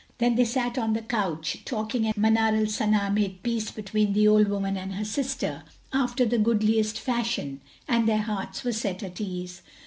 Then they sat on the couch talking and Manar al Sana made peace between the old woman and her sister, after the goodliest fashion, and their hearts were set at ease.